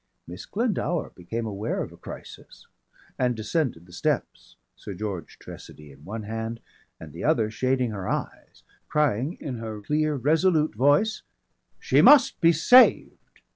Miss Glendower became aware of a crisis and descended the steps, "Sir George Tressady" in one hand and the other shading her eyes, crying in her clear resolute voice, "She must be saved!"